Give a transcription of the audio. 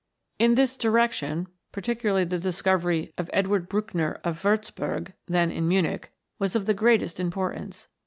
In this direction, particularly the discovery of Edward Buchner, of Wurzburg, then in Munich, was of the greatest importance.